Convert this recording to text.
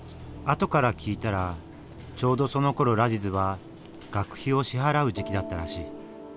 後から聞いたらちょうどそのころラジズは学費を支払う時期だったらしい。